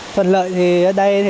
thuận lợi thì ở đây